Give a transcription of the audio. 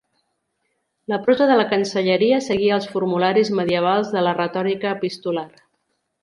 La prosa de la Cancelleria seguia els formularis medievals de la retòrica epistolar.